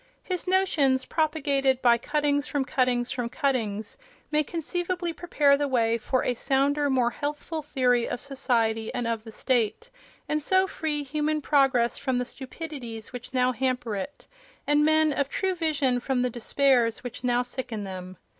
His notions, propagated by cuttings from cuttings from cuttings, may conceivably prepare the way for a sounder, more healthful theory of society and of the state, and so free human progress from the stupidities which now hamper it, and men of true vision from the despairs which now sicken them.